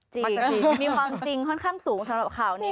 มีความจริงค่อนข้างสูงสำหรับข่าวนี้